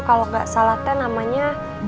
kalau gak salah t namanya